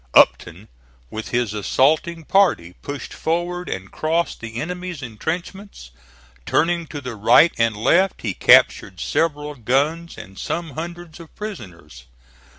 Upton with his assaulting party pushed forward and crossed the enemy's intrenchments. Turning to the right and left he captured several guns and some hundreds of prisoners.